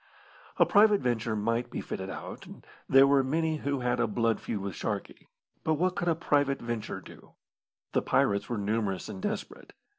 A private venture might be fitted out and there were many who had a blood feud with Sharkey but what could a private venture do? The pirates were numerous and desperate.